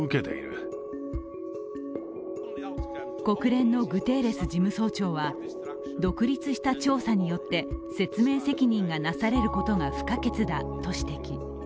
国連のグテーレス事務総長は独立した調査によって説明責任がなされることが不可欠だと指摘。